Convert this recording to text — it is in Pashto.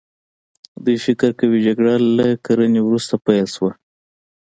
دوی فکر کوي جګړه له کرنې وروسته پیل شوه.